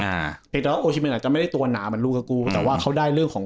อ่าเดี๋ยวโอชิเมนอาจจะไม่ได้ตัวหนาเหมือนลูกกากูอืมแต่ว่าเขาได้เรื่องของ